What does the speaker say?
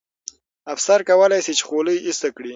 افسر کولای سي چې خولۍ ایسته کړي.